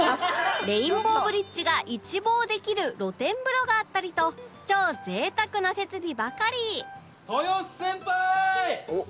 レインボーブリッジが一望できる露天風呂があったりと超贅沢な設備ばかり